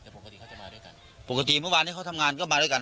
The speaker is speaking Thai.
แต่ปกติเขาจะมาด้วยกันปกติเมื่อวานนี้เขาทำงานก็มาด้วยกัน